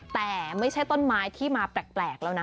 แต่ไม่ใช่ต้นไม้ที่มาแปลกแล้วนะ